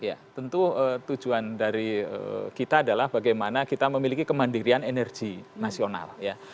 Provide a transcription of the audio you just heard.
ya tentu tujuan dari kita adalah bagaimana kita memiliki kemandirian energi nasional ya